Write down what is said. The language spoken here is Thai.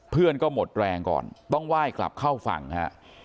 เพื่อนก็หมดแรงก่อนต้องไหว้กลับเข้าฝั่งฮะ